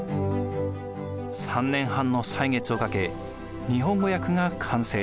３年半の歳月をかけ日本語訳が完成。